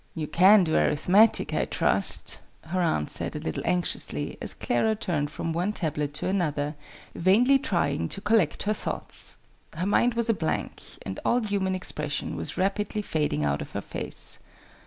"You can do Arithmetic, I trust?" her aunt said, a little anxiously, as Clara turned from one tablet to another, vainly trying to collect her thoughts. Her mind was a blank, and all human expression was rapidly fading out of her face.